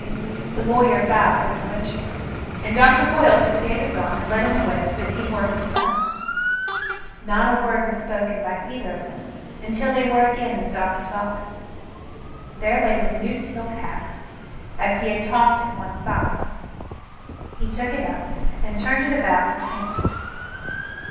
The lawyer bowed deferentially, and Doctor Hoyle took David's arm and led him away as if he were his son. Not a word was spoken by either of them until they were again in the doctor's office. There lay the new silk hat, as he had tossed it one side. He took it up and turned it about in his hand.